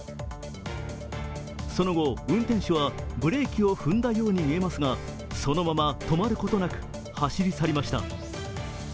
その後、運転手はブレーキを踏んだように見えますがそのまま止まることなく、走り去りました。